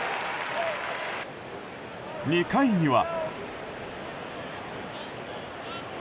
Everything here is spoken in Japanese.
２回には。